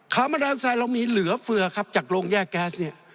คาร์บอนไดออกไซด์เรามีเหลือเฟือครับจากโรงแยกแก๊สนี่